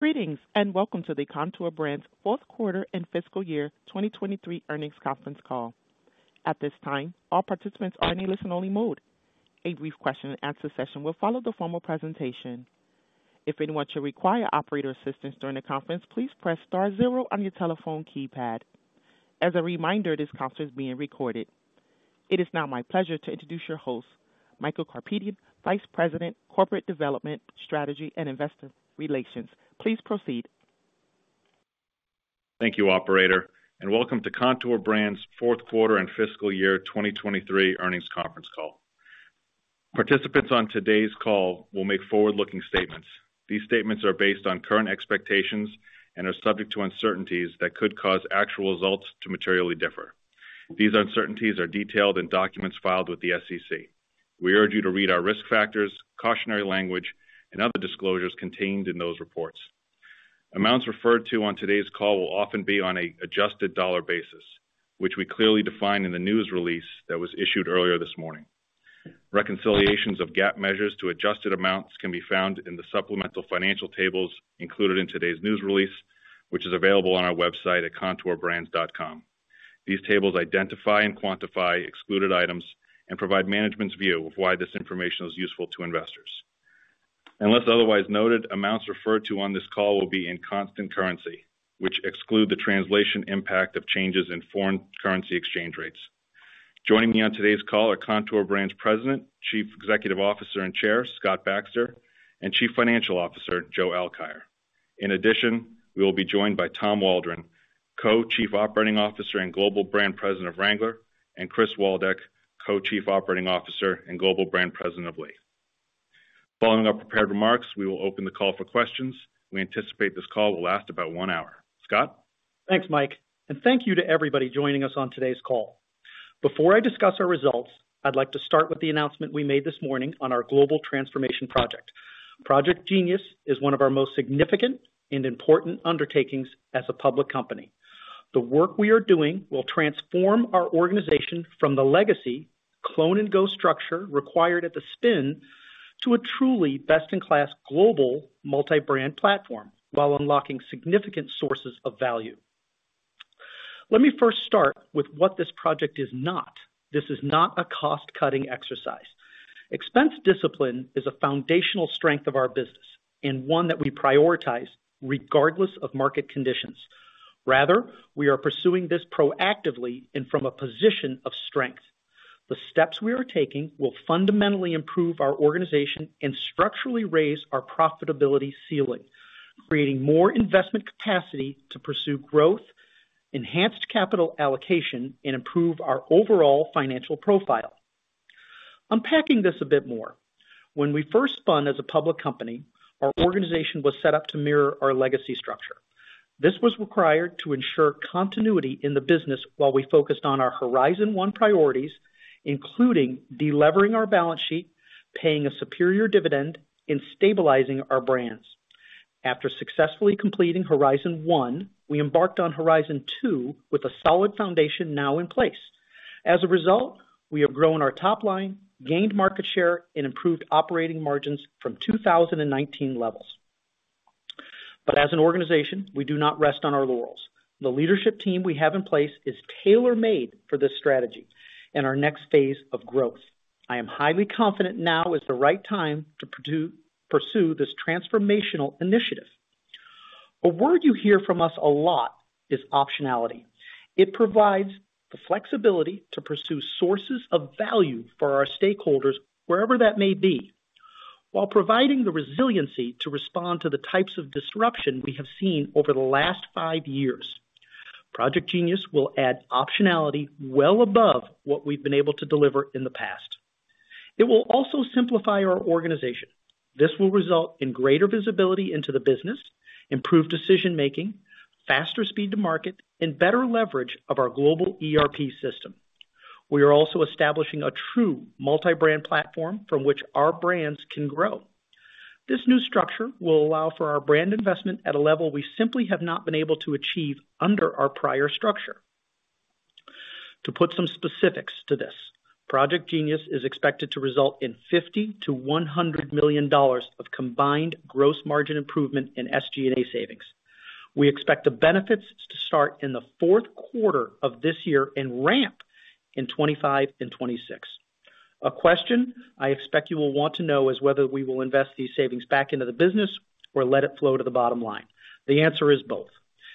Greetings, and welcome to the Kontoor Brands fourth quarter and fiscal year 2023 earnings conference call. At this time, all participants are in a listen-only mode. A brief question and answer session will follow the formal presentation. If anyone should require operator assistance during the conference, please press star zero on your telephone keypad. As a reminder, this conference is being recorded. It is now my pleasure to introduce your host, Michael Karapetian, Vice President, Corporate Development, Strategy, and Investor Relations. Please proceed. Thank you, operator, and welcome to Kontoor Brands fourth quarter and fiscal year 2023 earnings conference call. Participants on today's call will make forward-looking statements. These statements are based on current expectations and are subject to uncertainties that could cause actual results to materially differ. These uncertainties are detailed in documents filed with the SEC. We urge you to read our risk factors, cautionary language, and other disclosures contained in those reports. Amounts referred to on today's call will often be on an adjusted dollar basis, which we clearly define in the news release that was issued earlier this morning. Reconciliations of GAAP measures to adjusted amounts can be found in the supplemental financial tables included in today's news release, which is available on our website at kontoorbrands.com. These tables identify and quantify excluded items and provide management's view of why this information is useful to investors. Unless otherwise noted, amounts referred to on this call will be in constant currency, which exclude the translation impact of changes in foreign currency exchange rates. Joining me on today's call are Kontoor Brands President, Chief Executive Officer, and Chair, Scott Baxter and Chief Financial Officer, Joe Alkire. In addition, we will be joined by Tom Waldron, Co-Chief Operating Officer and Global Brand President of Wrangler, and Chris Waldeck, Co-Chief Operating Officer and Global Brand President of Lee. Following our prepared remarks, we will open the call for questions. We anticipate this call will last about one hour. Scott? Thanks, Mike, and thank you to everybody joining us on today's call. Before I discuss our results, I'd like to start with the announcement we made this morning on our global transformation project. Project Jeanius is one of our most significant and important undertakings as a public company. The work we are doing will transform our organization from the legacy clone and go structure required at the spin to a truly best-in-class global multi-brand platform, while unlocking significant sources of value. Let me first start with what this project is not. This is not a cost-cutting exercise. Expense discipline is a foundational strength of our business and one that we prioritize regardless of market conditions. Rather, we are pursuing this proactively and from a position of strength. The steps we are taking will fundamentally improve our organization and structurally raise our profitability ceiling, creating more investment capacity to pursue growth, enhanced capital allocation, and improve our overall financial profile. Unpacking this a bit more. When we first spun as a public company, our organization was set up to mirror our legacy structure. This was required to ensure continuity in the business while we focused on our Horizon One priorities, including delevering our balance sheet, paying a superior dividend, and stabilizing our brands. After successfully completing Horizon One, we embarked on Horizon Two with a solid foundation now in place. As a result, we have grown our top line, gained market share, and improved operating margins from 2019 levels. But as an organization, we do not rest on our laurels. The leadership team we have in place is tailor-made for this strategy and our next phase of growth. I am highly confident now is the right time to pursue this transformational initiative. A word you hear from us a lot is optionality. It provides the flexibility to pursue sources of value for our stakeholders, wherever that may be, while providing the resiliency to respond to the types of disruption we have seen over the last five years. Project Jeanius will add optionality well above what we've been able to deliver in the past. It will also simplify our organization. This will result in greater visibility into the business, improved decision-making, faster speed to market, and better leverage of our global ERP system. We are also establishing a true multi-brand platform from which our brands can grow. This new structure will allow for our brand investment at a level we simply have not been able to achieve under our prior structure. To put some specifics to this, Project Jeanius is expected to result in $50 million-$100 million of combined gross margin improvement in SG&A savings. We expect the benefits to start in the fourth quarter of this year and ramp in 2025 and 2026. A question I expect you will want to know is whether we will invest these savings back into the business or let it flow to the bottom line. The answer is both,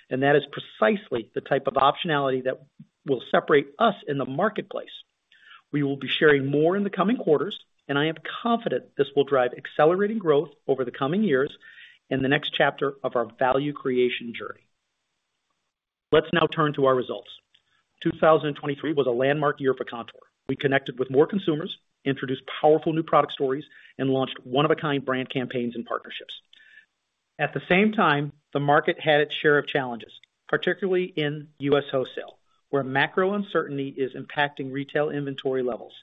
and that is precisely the type of optionality that will separate us in the marketplace. We will be sharing more in the coming quarters, and I am confident this will drive accelerating growth over the coming years and the next chapter of our value creation journey. Let's now turn to our results. 2023 was a landmark year for Kontoor. We connected with more consumers, introduced powerful new product stories, and launched one-of-a-kind brand campaigns and partnerships. At the same time, the market had its share of challenges, particularly in U.S. wholesale, where macro uncertainty is impacting retail inventory levels,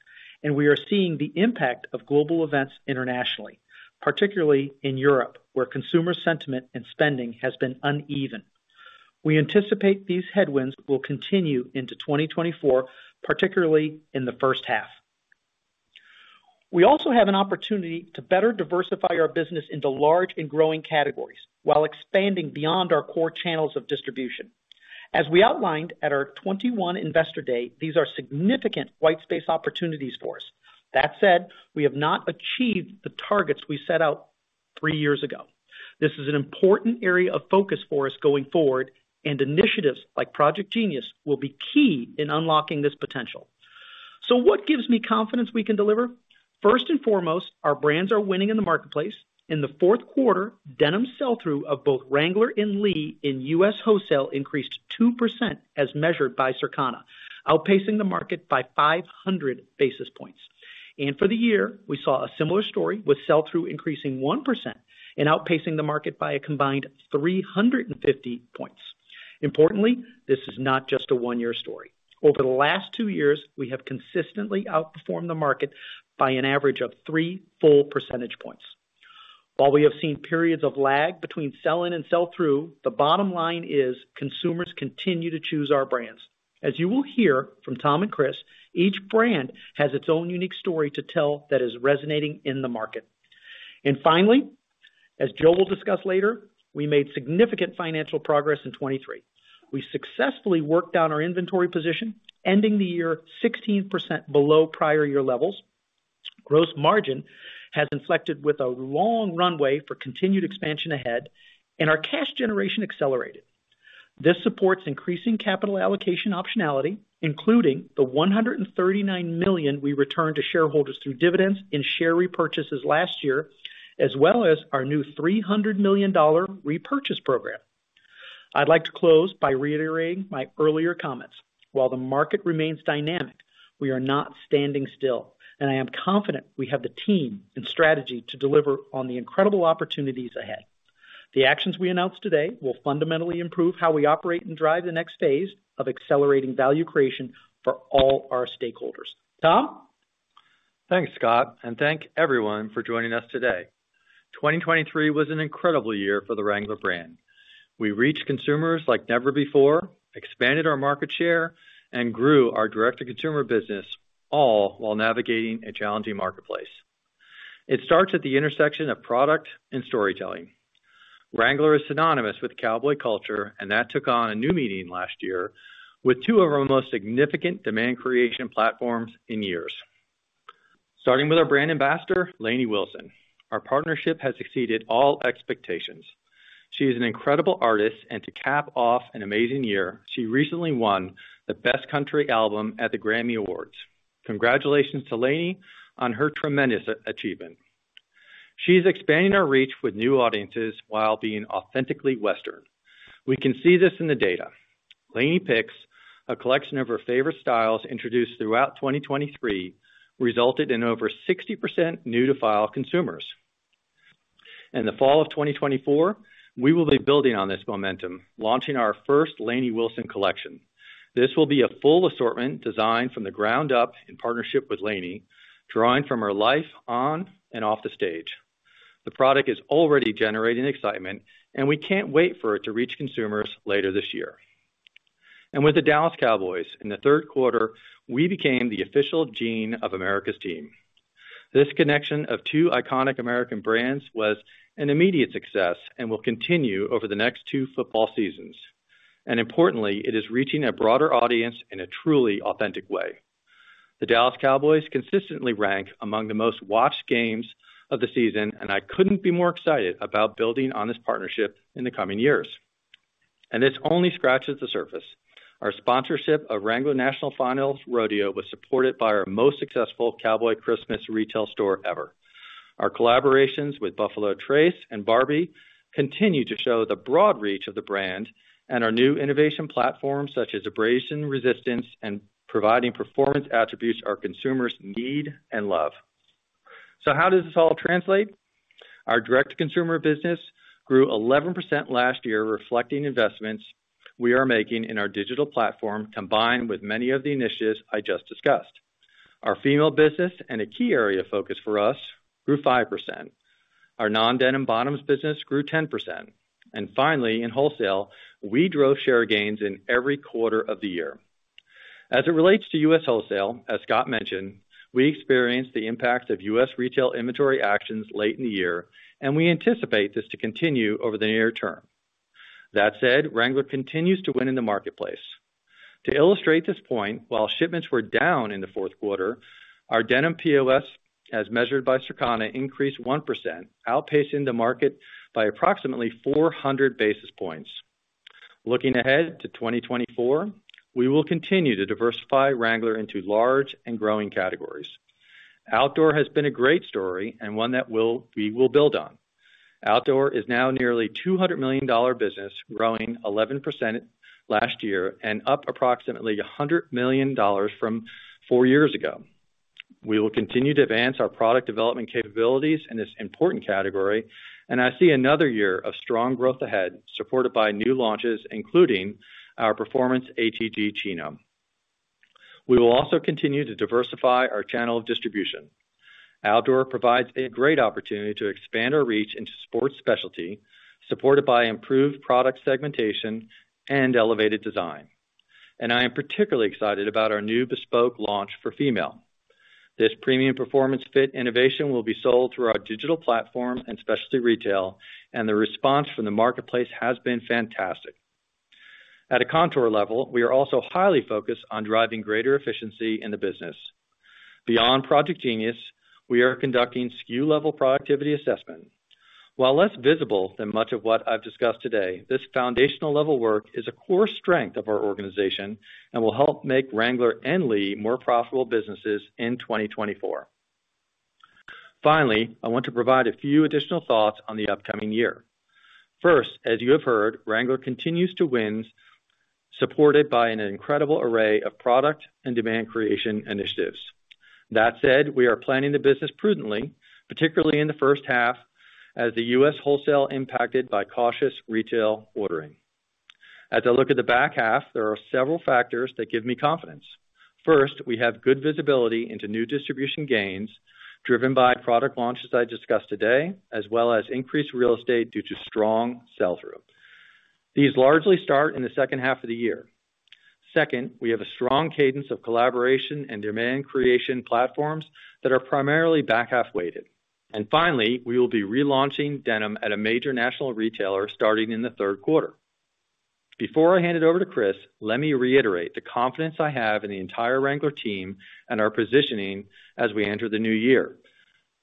and we are seeing the impact of global events internationally, particularly in Europe, where consumer sentiment and spending has been uneven. We anticipate these headwinds will continue into 2024, particularly in the first half. We also have an opportunity to better diversify our business into large and growing categories, while expanding beyond our core channels of distribution. As we outlined at our 2021 Investor Day, these are significant white space opportunities for us. That said, we have not achieved the targets we set out three years ago. This is an important area of focus for us going forward, and initiatives like Project Jeanius will be key in unlocking this potential. So what gives me confidence we can deliver? First and foremost, our brands are winning in the marketplace. In the fourth quarter, denim sell-through of both Wrangler and Lee in U.S. wholesale increased 2% as measured by Circana, outpacing the market by 500 basis points. And for the year, we saw a similar story, with sell-through increasing 1% and outpacing the market by a combined 350 points. Importantly, this is not just a one-year story. Over the last two years, we have consistently outperformed the market by an average of 3 full percentage points. While we have seen periods of lag between sell-in and sell-through, the bottom line is consumers continue to choose our brands. As you will hear from Tom and Chris, each brand has its own unique story to tell that is resonating in the market. Finally, as Joe will discuss later, we made significant financial progress in 2023. We successfully worked down our inventory position, ending the year 16% below prior year levels. Gross margin has inflected with a long runway for continued expansion ahead, and our cash generation accelerated. This supports increasing capital allocation optionality, including the $139 million we returned to shareholders through dividends and share repurchases last year, as well as our new $300 million repurchase program. I'd like to close by reiterating my earlier comments. While the market remains dynamic, we are not standing still, and I am confident we have the team and strategy to deliver on the incredible opportunities ahead. The actions we announced today will fundamentally improve how we operate and drive the next phase of accelerating value creation for all our stakeholders. Tom? Thanks, Scott, and thank everyone for joining us today. 2023 was an incredible year for the Wrangler brand. We reached consumers like never before, expanded our market share, and grew our direct-to-consumer business, all while navigating a challenging marketplace. It starts at the intersection of product and storytelling. Wrangler is synonymous with cowboy culture, and that took on a new meaning last year, with two of our most significant demand creation platforms in years. Starting with our brand ambassador, Lainey Wilson. Our partnership has exceeded all expectations. She is an incredible artist, and to cap off an amazing year, she recently won the Best Country Album at the Grammy Awards. Congratulations to Lainey on her tremendous achievement. She's expanding our reach with new audiences while being authentically Western. We can see this in the data. Lainey's Picks, a collection of her favorite styles introduced throughout 2023, resulted in over 60% new to file consumers. In the fall of 2024, we will be building on this momentum, launching our first Lainey Wilson collection. This will be a full assortment designed from the ground up in partnership with Lainey, drawing from her life on and off the stage. The product is already generating excitement, and we can't wait for it to reach consumers later this year. And with the Dallas Cowboys, in the third quarter, we became the official jean of America's Team. This connection of two iconic American brands was an immediate success and will continue over the next two football seasons. And importantly, it is reaching a broader audience in a truly authentic way. The Dallas Cowboys consistently rank among the most watched games of the season, and I couldn't be more excited about building on this partnership in the coming years. This only scratches the surface. Our sponsorship of Wrangler National Finals Rodeo was supported by our most successful Cowboy Christmas retail store ever. Our collaborations with Buffalo Trace and Barbie continue to show the broad reach of the brand and our new innovation platforms, such as abrasion resistance and providing performance attributes our consumers need and love. So how does this all translate? Our direct-to-consumer business grew 11% last year, reflecting investments we are making in our digital platform, combined with many of the initiatives I just discussed. Our female business, and a key area of focus for us, grew 5%. Our non-denim bottoms business grew 10%. Finally, in wholesale, we drove share gains in every quarter of the year. As it relates to U.S. wholesale, as Scott mentioned, we experienced the impacts of U.S. retail inventory actions late in the year, and we anticipate this to continue over the near term. That said, Wrangler continues to win in the marketplace. To illustrate this point, while shipments were down in the fourth quarter, our denim POS, as measured by Circana, increased 1%, outpacing the market by approximately 400 basis points. Looking ahead to 2024, we will continue to diversify Wrangler into large and growing categories. Outdoor has been a great story and one that we'll, we will build on. Outdoor is now a nearly $200 million business, growing 11% last year and up approximately $100 million from four years ago. We will continue to advance our product development capabilities in this important category, and I see another year of strong growth ahead, supported by new launches, including our performance ATG line. We will also continue to diversify our channel of distribution. Outdoor provides a great opportunity to expand our reach into sports specialty, supported by improved product segmentation and elevated design.... and I am particularly excited about our new Bespoke launch for female. This premium performance fit innovation will be sold through our digital platform and specialty retail, and the response from the marketplace has been fantastic. At a Kontoor level, we are also highly focused on driving greater efficiency in the business. Beyond Project Jeanius, we are conducting SKU-level productivity assessment. While less visible than much of what I've discussed today, this foundational level work is a core strength of our organization and will help make Wrangler and Lee more profitable businesses in 2024. Finally, I want to provide a few additional thoughts on the upcoming year. First, as you have heard, Wrangler continues to win, supported by an incredible array of product and demand creation initiatives. That said, we are planning the business prudently, particularly in the first half, as the U.S. wholesale impacted by cautious retail ordering. As I look at the back half, there are several factors that give me confidence. First, we have good visibility into new distribution gains, driven by product launches I discussed today, as well as increased real estate due to strong sell-through. These largely start in the second half of the year. Second, we have a strong cadence of collaboration and demand creation platforms that are primarily back half weighted. And finally, we will be relaunching denim at a major national retailer starting in the third quarter. Before I hand it over to Chris, let me reiterate the confidence I have in the entire Wrangler team and our positioning as we enter the new year.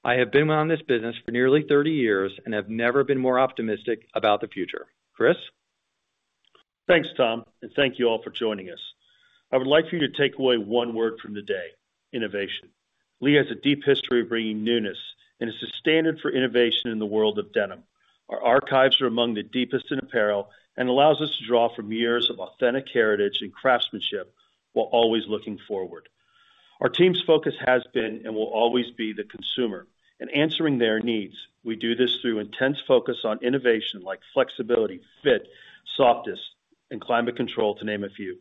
I have been on this business for nearly 30 years and have never been more optimistic about the future. Chris? Thanks, Tom, and thank you all for joining us. I would like for you to take away one word from the day: innovation. Lee has a deep history of bringing newness and is the standard for innovation in the world of denim. Our archives are among the deepest in apparel and allows us to draw from years of authentic heritage and craftsmanship, while always looking forward. Our team's focus has been, and will always be, the consumer and answering their needs. We do this through intense focus on innovation like flexibility, fit, softness, and climate control, to name a few.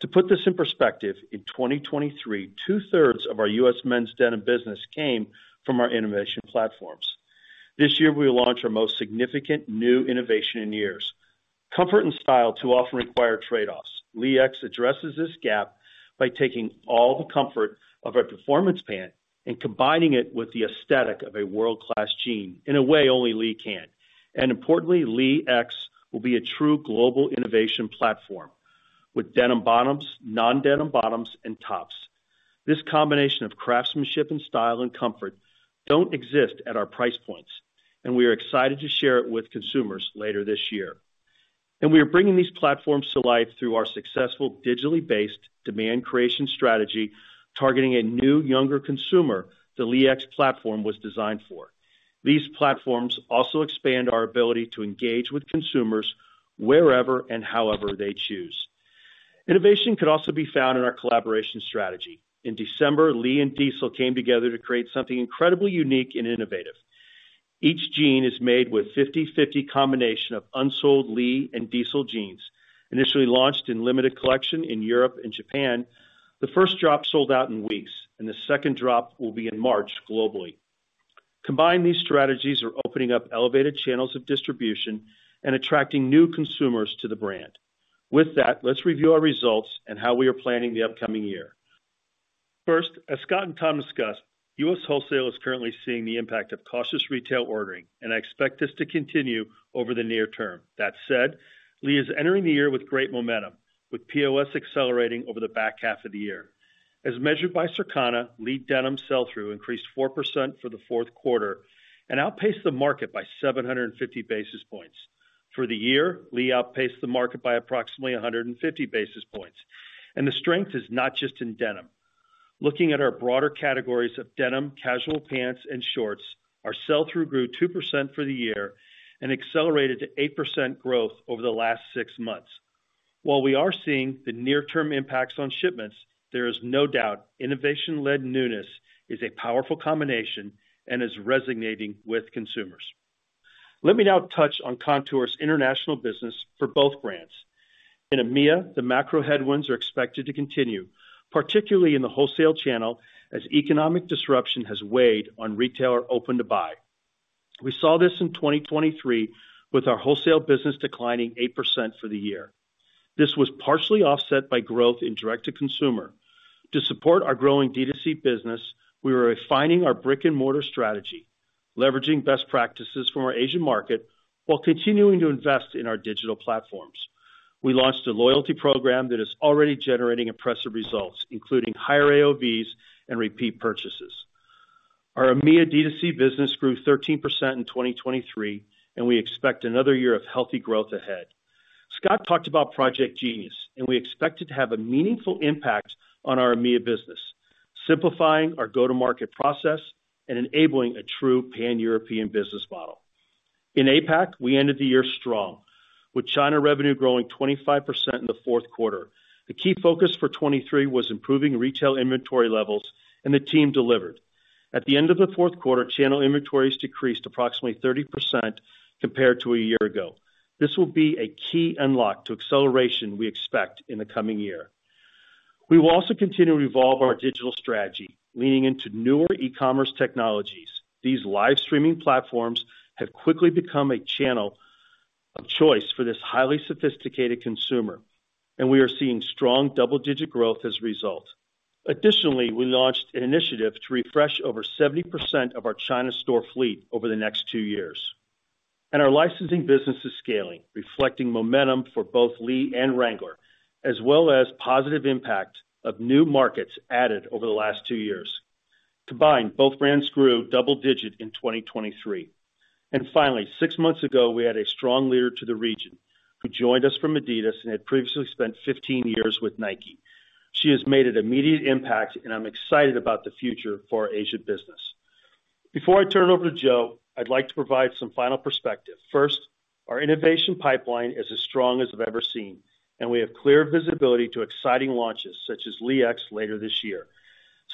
To put this in perspective, in 2023, two-thirds of our U.S. men's denim business came from our innovation platforms. This year, we launched our most significant new innovation in years. Comfort and style too often require trade-offs. Lee X addresses this gap by taking all the comfort of our performance pant and combining it with the aesthetic of a world-class jean in a way only Lee can. And importantly, Lee X will be a true global innovation platform with denim bottoms, non-denim bottoms, and tops. This combination of craftsmanship and style and comfort don't exist at our price points, and we are excited to share it with consumers later this year. We are bringing these platforms to life through our successful, digitally-based demand creation strategy, targeting a new, younger consumer, the Lee X platform was designed for. These platforms also expand our ability to engage with consumers wherever and however they choose. Innovation could also be found in our collaboration strategy. In December, Lee and Diesel came together to create something incredibly unique and innovative. Each jean is made with 50/50 combination of unsold Lee and Diesel jeans, initially launched in limited collection in Europe and Japan. The first drop sold out in weeks, and the second drop will be in March globally. Combined, these strategies are opening up elevated channels of distribution and attracting new consumers to the brand. With that, let's review our results and how we are planning the upcoming year. First, as Scott and Tom discussed, U.S. wholesale is currently seeing the impact of cautious retail ordering, and I expect this to continue over the near term. That said, Lee is entering the year with great momentum, with POS accelerating over the back half of the year. As measured by Circana, Lee denim sell-through increased 4% for the fourth quarter and outpaced the market by 750 basis points. For the year, Lee outpaced the market by approximately 150 basis points. And the strength is not just in denim. Looking at our broader categories of denim, casual pants, and shorts, our sell-through grew 2% for the year and accelerated to 8% growth over the last six months. While we are seeing the near term impacts on shipments, there is no doubt innovation-led newness is a powerful combination and is resonating with consumers. Let me now touch on Kontoor's international business for both brands. In EMEA, the macro headwinds are expected to continue, particularly in the wholesale channel, as economic disruption has weighed on retailer open to buy. We saw this in 2023, with our wholesale business declining 8% for the year. This was partially offset by growth in direct-to-consumer. To support our growing D2C business, we were refining our brick-and-mortar strategy, leveraging best practices from our Asian market, while continuing to invest in our digital platforms. We launched a loyalty program that is already generating impressive results, including higher AOVs and repeat purchases. Our EMEA D2C business grew 13% in 2023, and we expect another year of healthy growth ahead. Scott talked about Project Jeanius, and we expect it to have a meaningful impact on our EMEA business, simplifying our go-to-market process and enabling a true pan-European business model. In APAC, we ended the year strong, with China revenue growing 25% in the fourth quarter. The key focus for 2023 was improving retail inventory levels, and the team delivered. At the end of the fourth quarter, channel inventories decreased approximately 30% compared to a year ago. This will be a key unlock to acceleration we expect in the coming year. We will also continue to evolve our digital strategy, leaning into newer e-commerce technologies. These live streaming platforms have quickly become a channel of choice for this highly sophisticated consumer, and we are seeing strong double-digit growth as a result. Additionally, we launched an initiative to refresh over 70% of our China store fleet over the next two years. And our licensing business is scaling, reflecting momentum for both Lee and Wrangler, as well as positive impact of new markets added over the last two years. Combined, both brands grew double digit in 2023. And finally, six months ago, we had a strong leader to the region, who joined us from Adidas and had previously spent 15 years with Nike. She has made an immediate impact, and I'm excited about the future for our Asia business. Before I turn it over to Joe, I'd like to provide some final perspective. First, our innovation pipeline is as strong as I've ever seen, and we have clear visibility to exciting launches such as Lee X later this year.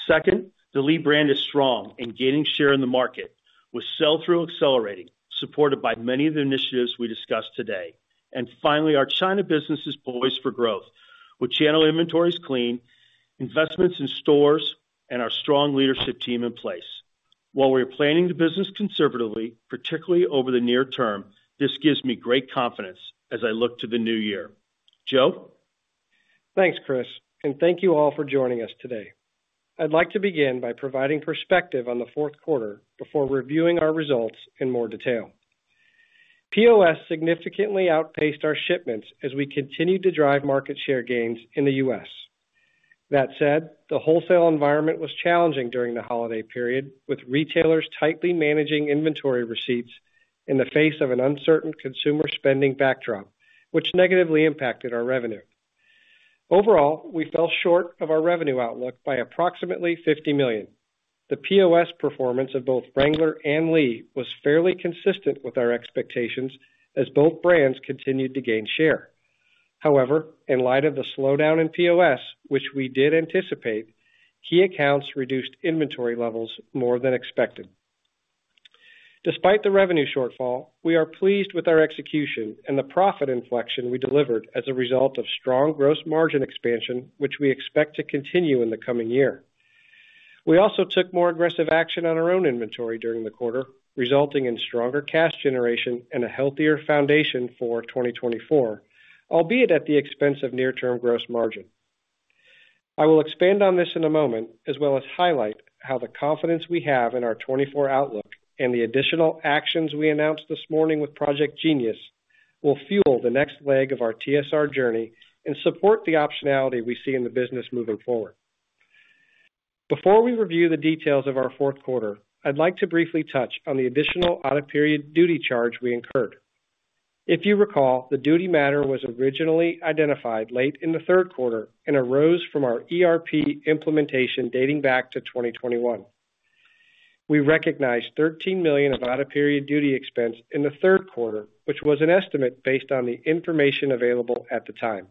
Second, the Lee brand is strong and gaining share in the market, with sell-through accelerating, supported by many of the initiatives we discussed today. And finally, our China business is poised for growth, with channel inventories clean, investments in stores, and our strong leadership team in place. While we are planning the business conservatively, particularly over the near term, this gives me great confidence as I look to the new year. Joe? Thanks, Chris, and thank you all for joining us today. I'd like to begin by providing perspective on the fourth quarter before reviewing our results in more detail. POS significantly outpaced our shipments as we continued to drive market share gains in the U.S. That said, the wholesale environment was challenging during the holiday period, with retailers tightly managing inventory receipts in the face of an uncertain consumer spending backdrop, which negatively impacted our revenue. Overall, we fell short of our revenue outlook by approximately $50 million. The POS performance of both Wrangler and Lee was fairly consistent with our expectations as both brands continued to gain share. However, in light of the slowdown in POS, which we did anticipate, key accounts reduced inventory levels more than expected. Despite the revenue shortfall, we are pleased with our execution and the profit inflection we delivered as a result of strong gross margin expansion, which we expect to continue in the coming year. We also took more aggressive action on our own inventory during the quarter, resulting in stronger cash generation and a healthier foundation for 2024, albeit at the expense of near-term gross margin. I will expand on this in a moment, as well as highlight how the confidence we have in our 2024 outlook and the additional actions we announced this morning with Project Jeanius will fuel the next leg of our TSR journey and support the optionality we see in the business moving forward. Before we review the details of our fourth quarter, I'd like to briefly touch on the additional out-of-period duty charge we incurred. If you recall, the duty matter was originally identified late in the third quarter and arose from our ERP implementation dating back to 2021. We recognized $13 million of out-of-period duty expense in the third quarter, which was an estimate based on the information available at the time.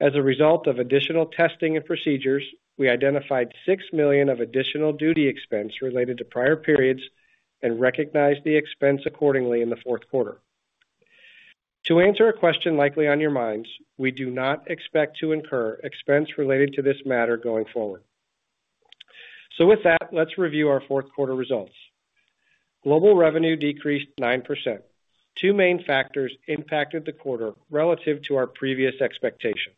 As a result of additional testing and procedures, we identified $6 million of additional duty expense related to prior periods and recognized the expense accordingly in the fourth quarter. To answer a question likely on your minds, we do not expect to incur expense related to this matter going forward. So with that, let's review our fourth quarter results. Global revenue decreased 9%. Two main factors impacted the quarter relative to our previous expectations.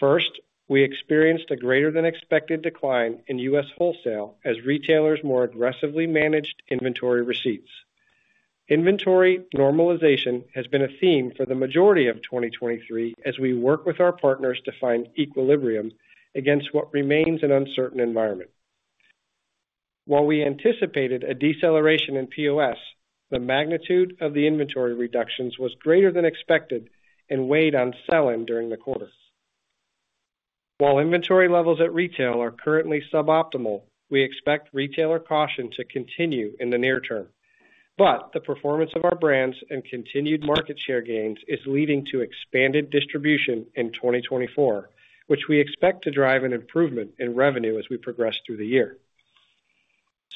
First, we experienced a greater than expected decline in U.S. wholesale as retailers more aggressively managed inventory receipts. Inventory normalization has been a theme for the majority of 2023 as we work with our partners to find equilibrium against what remains an uncertain environment. While we anticipated a deceleration in POS, the magnitude of the inventory reductions was greater than expected and weighed on sell-in during the quarter. While inventory levels at retail are currently suboptimal, we expect retailer caution to continue in the near term. But the performance of our brands and continued market share gains is leading to expanded distribution in 2024, which we expect to drive an improvement in revenue as we progress through the year.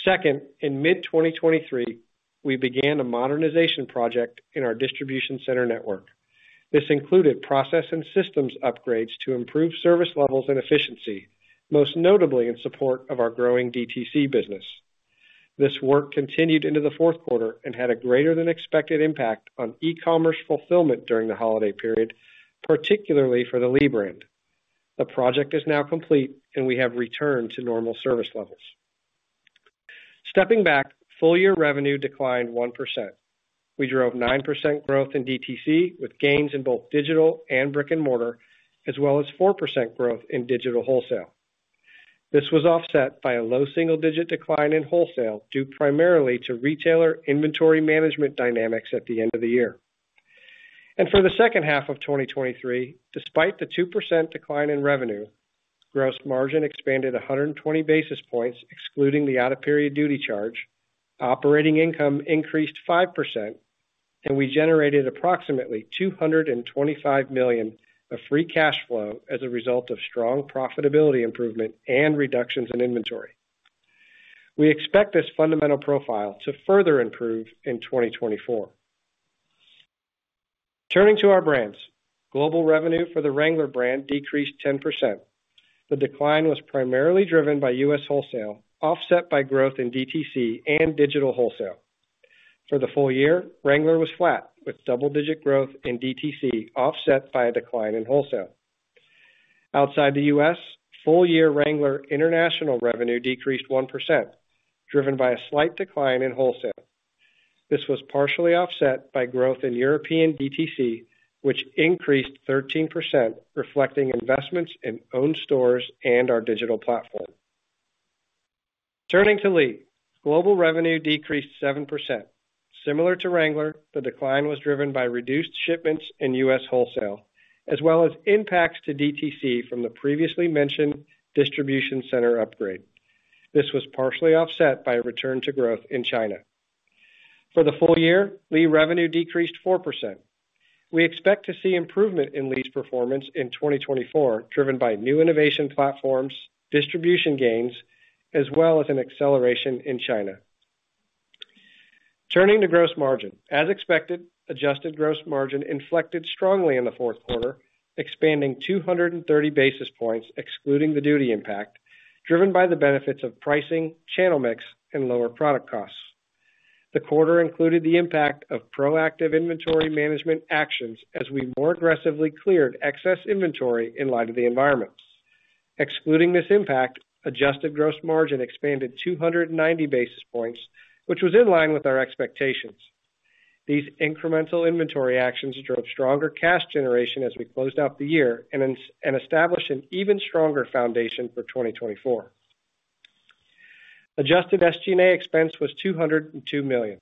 Second, in mid-2023, we began a modernization project in our distribution center network. This included process and systems upgrades to improve service levels and efficiency, most notably in support of our growing DTC business. This work continued into the fourth quarter and had a greater than expected impact on e-commerce fulfillment during the holiday period, particularly for the Lee brand. The project is now complete, and we have returned to normal service levels. Stepping back, full year revenue declined 1%. We drove 9% growth in DTC, with gains in both digital and brick and mortar, as well as 4% growth in digital wholesale. This was offset by a low single digit decline in wholesale, due primarily to retailer inventory management dynamics at the end of the year. For the second half of 2023, despite the 2% decline in revenue, gross margin expanded 120 basis points, excluding the out-of-period duty charge. Operating income increased 5%, and we generated approximately $225 million of free cash flow as a result of strong profitability improvement and reductions in inventory. We expect this fundamental profile to further improve in 2024.... Turning to our brands. Global revenue for the Wrangler brand decreased 10%. The decline was primarily driven by U.S. wholesale, offset by growth in DTC and digital wholesale. For the full year, Wrangler was flat, with double-digit growth in DTC, offset by a decline in wholesale. Outside the U.S., full-year Wrangler international revenue decreased 1%, driven by a slight decline in wholesale. This was partially offset by growth in European DTC, which increased 13%, reflecting investments in own stores and our digital platform. Turning to Lee. Global revenue decreased 7%. Similar to Wrangler, the decline was driven by reduced shipments in U.S. wholesale, as well as impacts to DTC from the previously-mentioned distribution center upgrade. This was partially offset by a return to growth in China. For the full year, Lee revenue decreased 4%. We expect to see improvement in Lee's performance in 2024, driven by new innovation platforms, distribution gains, as well as an acceleration in China. Turning to gross margin. As expected, adjusted gross margin inflected strongly in the fourth quarter, expanding 230 basis points, excluding the duty impact, driven by the benefits of pricing, channel mix, and lower product costs. The quarter included the impact of proactive inventory management actions as we more aggressively cleared excess inventory in light of the environment. Excluding this impact, adjusted gross margin expanded 290 basis points, which was in line with our expectations. These incremental inventory actions drove stronger cash generation as we closed out the year and established an even stronger foundation for 2024. Adjusted SG&A expense was $202 million.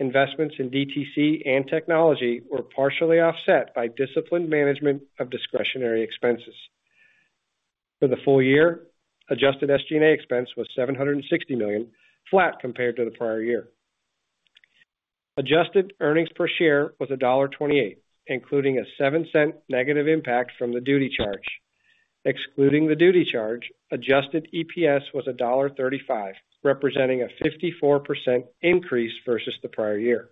Investments in DTC and technology were partially offset by disciplined management of discretionary expenses. For the full year, adjusted SG&A expense was $760 million, flat compared to the prior year. Adjusted earnings per share was $1.28, including a $0.07 negative impact from the duty charge. Excluding the duty charge, adjusted EPS was $1.35, representing a 54% increase versus the prior year.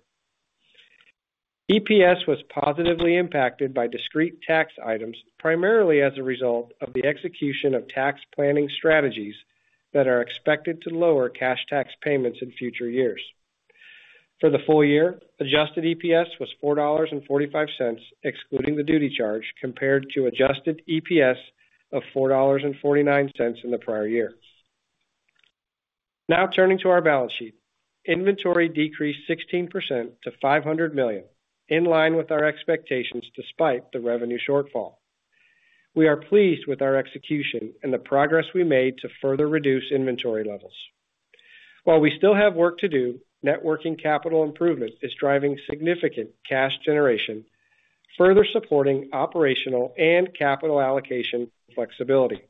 EPS was positively impacted by discrete tax items, primarily as a result of the execution of tax planning strategies that are expected to lower cash tax payments in future years. For the full year, adjusted EPS was $4.45, excluding the duty charge, compared to adjusted EPS of $4.49 in the prior year. Now turning to our balance sheet. Inventory decreased 16% to $500 million, in line with our expectations despite the revenue shortfall. We are pleased with our execution and the progress we made to further reduce inventory levels. While we still have work to do, net working capital improvement is driving significant cash generation, further supporting operational and capital allocation flexibility.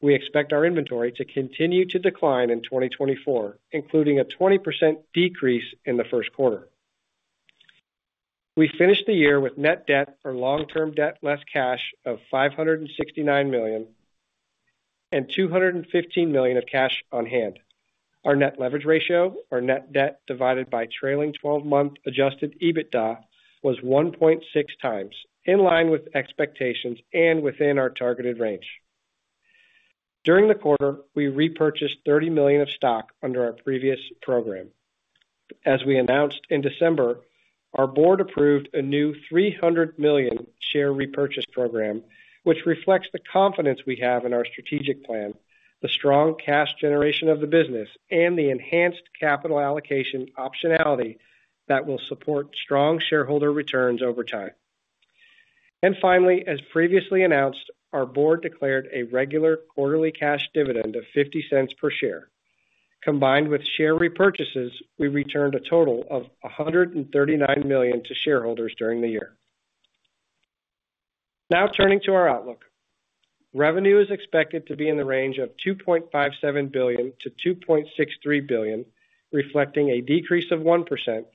We expect our inventory to continue to decline in 2024, including a 20% decrease in the first quarter. We finished the year with net debt or long-term debt, less cash of $569 million, and $215 million of cash on hand. Our net leverage ratio or net debt divided by trailing 12-month Adjusted EBITDA, was 1.6x, in line with expectations and within our targeted range. During the quarter, we repurchased $30 million of stock under our previous program. As we announced in December, our board approved a new $300 million share repurchase program, which reflects the confidence we have in our strategic plan, the strong cash generation of the business, and the enhanced capital allocation optionality that will support strong shareholder returns over time. And finally, as previously announced, our board declared a regular quarterly cash dividend of $0.50 per share. Combined with share repurchases, we returned a total of $139 million to shareholders during the year. Now turning to our outlook. Revenue is expected to be in the range of $2.57 billion-$2.63 billion, reflecting a decrease of 1%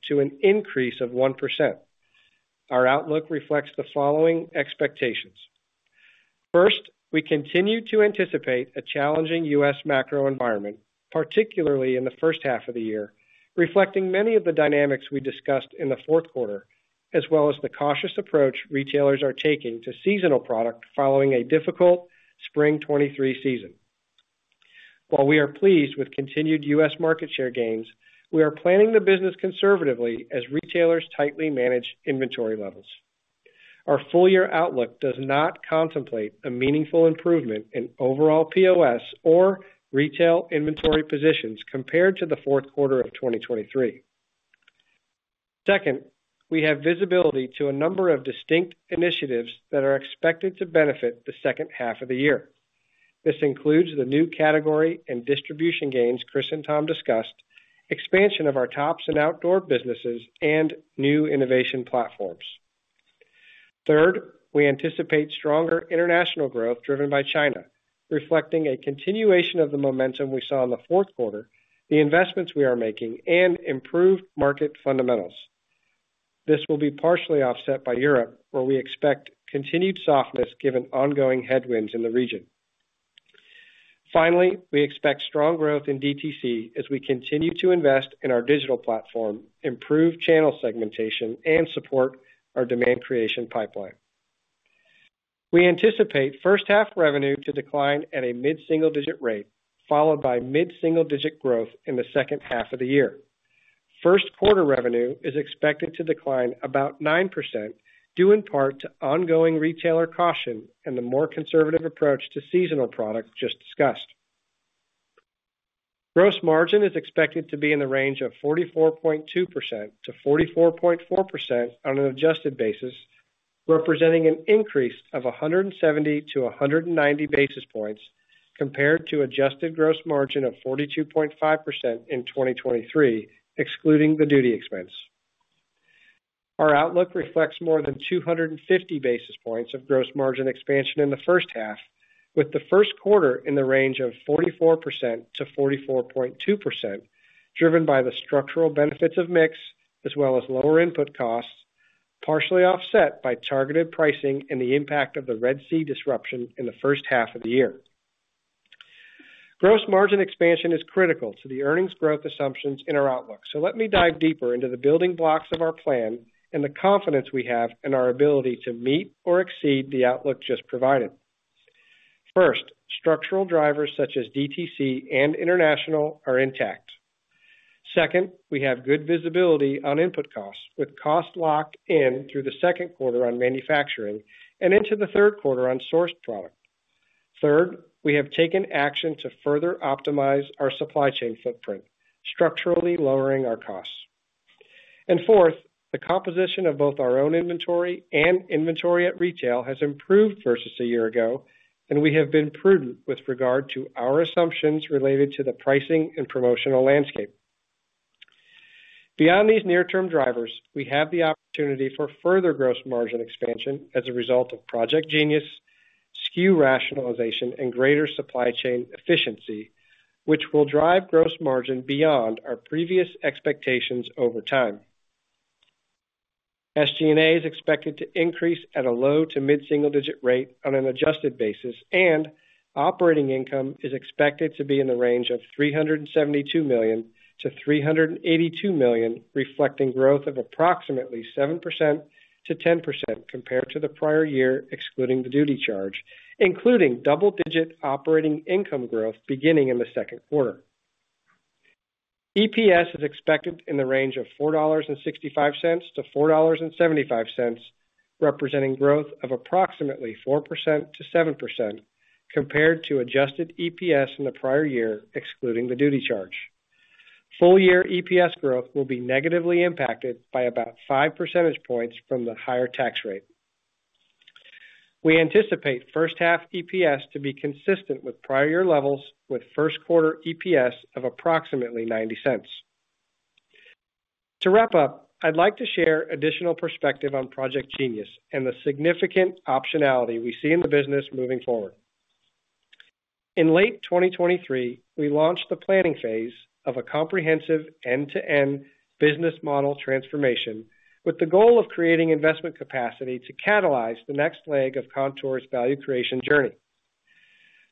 to an increase of 1%. Our outlook reflects the following expectations: First, we continue to anticipate a challenging U.S. macro environment, particularly in the first half of the year, reflecting many of the dynamics we discussed in the fourth quarter, as well as the cautious approach retailers are taking to seasonal product following a difficult Spring 2023 season. While we are pleased with continued U.S. market share gains, we are planning the business conservatively as retailers tightly manage inventory levels. Our full-year outlook does not contemplate a meaningful improvement in overall POS or retail inventory positions compared to the fourth quarter of 2023. Second, we have visibility to a number of distinct initiatives that are expected to benefit the second half of the year. This includes the new category and distribution gains Chris and Tom discussed, expansion of our tops and outdoor businesses, and new innovation platforms. Third, we anticipate stronger international growth driven by China, reflecting a continuation of the momentum we saw in the fourth quarter, the investments we are making, and improved market fundamentals. This will be partially offset by Europe, where we expect continued softness, given ongoing headwinds in the region. Finally, we expect strong growth in DTC as we continue to invest in our digital platform, improve channel segmentation, and support our demand creation pipeline. We anticipate first half revenue to decline at a mid-single digit rate, followed by mid-single digit growth in the second half of the year. First quarter revenue is expected to decline about 9%, due in part to ongoing retailer caution and the more conservative approach to seasonal products just discussed. Gross margin is expected to be in the range of 44.2%-44.4% on an adjusted basis, representing an increase of 170-190 basis points compared to adjusted gross margin of 42.5% in 2023, excluding the duty expense. Our outlook reflects more than 250 basis points of gross margin expansion in the first half, with the first quarter in the range of 44%-44.2%, driven by the structural benefits of mix, as well as lower input costs, partially offset by targeted pricing and the impact of the Red Sea disruption in the first half of the year. Gross margin expansion is critical to the earnings growth assumptions in our outlook. So let me dive deeper into the building blocks of our plan and the confidence we have in our ability to meet or exceed the outlook just provided. First, structural drivers such as DTC and international are intact. Second, we have good visibility on input costs, with costs locked in through the second quarter on manufacturing and into the third quarter on sourced product. Third, we have taken action to further optimize our supply chain footprint, structurally lowering our costs. And fourth, the composition of both our own inventory and inventory at retail has improved versus a year ago, and we have been prudent with regard to our assumptions related to the pricing and promotional landscape. Beyond these near-term drivers, we have the opportunity for further gross margin expansion as a result of Project Jeanius, SKU rationalization, and greater supply chain efficiency, which will drive gross margin beyond our previous expectations over time. SG&A is expected to increase at a low- to mid-single-digit rate on an adjusted basis, and operating income is expected to be in the range of $372 million-$382 million, reflecting growth of approximately 7%-10% compared to the prior year, excluding the duty charge, including double-digit operating income growth beginning in the second quarter. EPS is expected in the range of $4.65-$4.75, representing growth of approximately 4%-7% compared to adjusted EPS in the prior year, excluding the duty charge. Full year EPS growth will be negatively impacted by about 5 percentage points from the higher tax rate. We anticipate first half EPS to be consistent with prior year levels, with first quarter EPS of approximately $0.90. To wrap up, I'd like to share additional perspective on Project Jeanius and the significant optionality we see in the business moving forward. In late 2023, we launched the planning phas e of a comprehensive end-to-end business model transformation with the goal of creating investment capacity to catalyze the next leg of Kontoor's value creation journey.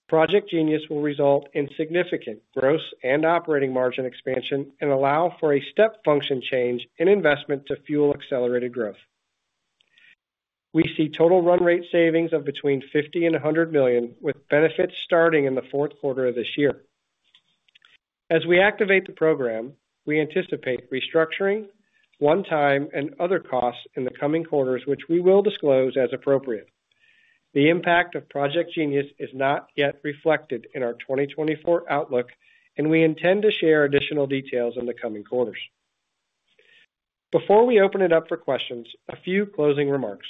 Project Jeanius will result in significant gross and operating margin expansion and allow for a step function change in investment to fuel accelerated growth. We see total run rate savings of between $50 million and $100 million, with benefits starting in the fourth quarter of this year. As we activate the program, we anticipate restructuring one-time and other costs in the coming quarters, which we will disclose as appropriate. The impact of Project Jeanius is not yet reflected in our 2024 outlook, and we intend to share additional details in the coming quarters. Before we open it up for questions, a few closing remarks.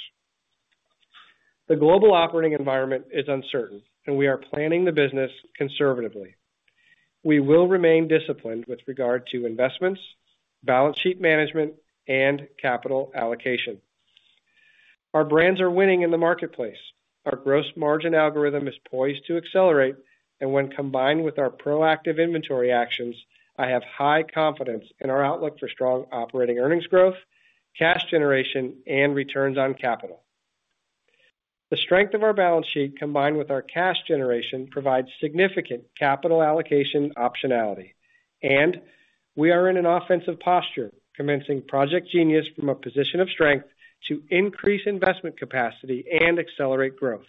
The global operating environment is uncertain, and we are planning the business conservatively. We will remain disciplined with regard to investments, balance sheet management, and capital allocation. Our brands are winning in the marketplace. Our gross margin algorithm is poised to accelerate, and when combined with our proactive inventory actions, I have high confidence in our outlook for strong operating earnings growth, cash generation, and returns on capital. The strength of our balance sheet, combined with our cash generation, provides significant capital allocation optionality, and we are in an offensive posture, commencing Project Jeanius from a position of strength to increase investment capacity and accelerate growth,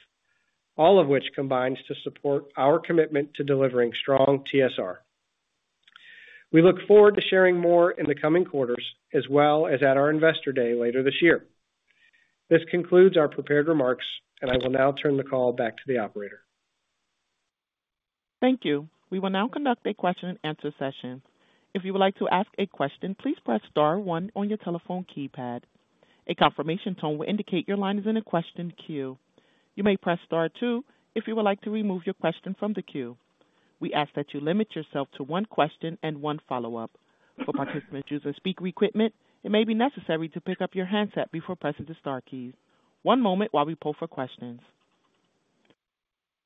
all of which combines to support our commitment to delivering strong TSR. We look forward to sharing more in the coming quarters, as well as at our Investor Day later this year. This concludes our prepared remarks, and I will now turn the call back to the operator. Thank you. We will now conduct a question-and-answer session. If you would like to ask a question, please press star one on your telephone keypad. A confirmation tone will indicate your line is in a question queue. You may press star two if you would like to remove your question from the queue. We ask that you limit yourself to one question and one follow-up. For participants using speaker equipment, it may be necessary to pick up your handset before pressing the star keys. One moment while we pull for questions.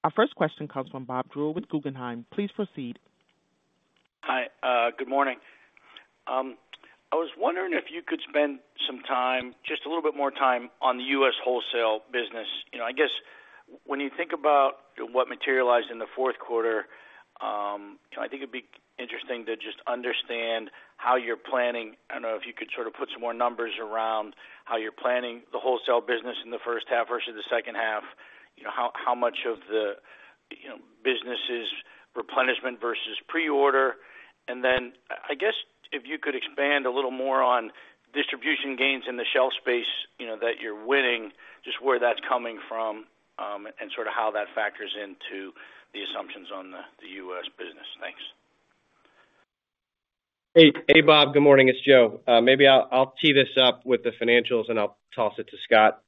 Our first question comes from Bob Drbul with Guggenheim. Please proceed. Hi, good morning. I was wondering if you could spend some time, just a little bit more time, on the U.S. wholesale business. You know, I guess when you think about what materialized in the fourth quarter, I think it'd be interesting to just understand how you're planning. I don't know if you could sort of put some more numbers around how you're planning the wholesale business in the first half versus the second half. You know, how, how much of the, you know, business is replenishment versus pre-order? And then, I guess, if you could expand a little more on distribution gains in the shelf space, you know, that you're winning, just where that's coming from, and sort of how that factors into the assumptions on the, the U.S. business. Thanks. Hey. Hey, Bob. Good morning. It's Joe. Maybe I'll tee this up with the financials, and I'll toss it to Scott,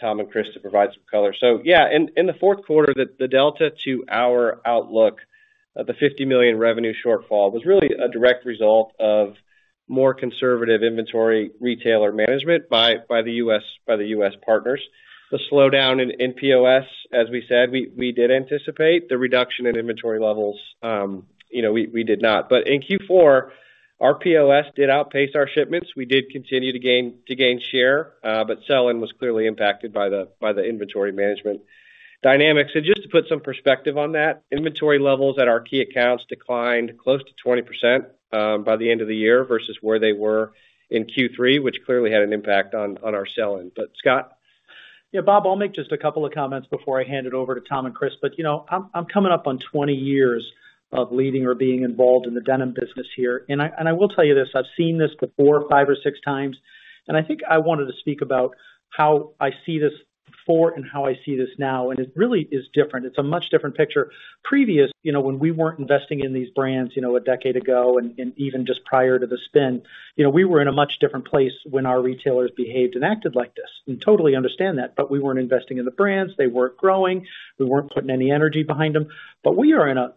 Tom, and Chris to provide some color. So yeah, in the fourth quarter, the delta to our outlook, the $50 million revenue shortfall was really a direct result of more conservative inventory retailer management by the U.S. partners. The slowdown in POS, as we said, we did anticipate. The reduction in inventory levels, you know, we did not. But in Q4, our POS did outpace our shipments. We did continue to gain share, but sell-in was clearly impacted by the inventory management dynamics. So just to put some perspective on that, inventory levels at our key accounts declined close to 20%, by the end of the year versus where they were in Q3, which clearly had an impact on our sell-in. But Scott? Yeah, Bob, I'll make just a couple of comments before I hand it over to Tom and Chris. But, you know, I'm coming up on 20 years of leading or being involved in the denim business here, and I will tell you this, I've seen this before, 5x or 6x, and I think I wanted to speak about how I see this before and how I see this now, and it really is different. It's a much different picture. Previous, you know, when we weren't investing in these brands, you know, a decade ago and even just prior to the spin, you know, we were in a much different place when our retailers behaved and acted like this. We totally understand that, but we weren't investing in the brands. They weren't growing. We weren't putting any energy behind them. But we are in a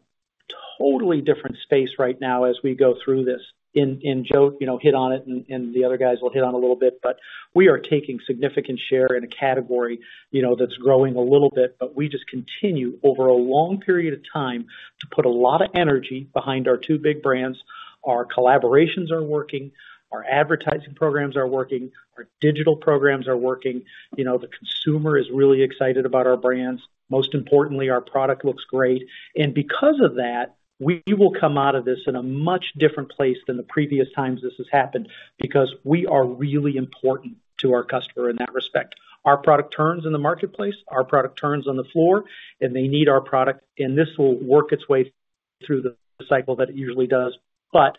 totally different space right now as we go through this. And Joe, you know, hit on it, and the other guys will hit on a little bit, but we are taking significant share in a category, you know, that's growing a little bit, but we just continue over a long period of time to put a lot of energy behind our two big brands. Our collaborations are working, our advertising programs are working, our digital programs are working. You know, the consumer is really excited about our brands. Most importantly, our product looks great. And because of that, we will come out of this in a much different place than the previous times this has happened, because we are really important to our customer in that respect. Our product turns in the marketplace, our product turns on the floor, and they need our product, and this will work its way through the cycle that it usually does. But